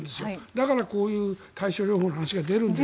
だから、こういう対症療法の話が出るんですが。